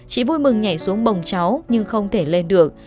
chị vui mừng nhảy xuống bồng cháu nhưng không thể lên được